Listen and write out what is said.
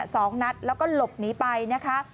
สองนัดแล้วก็หลบหนีไปนะคะ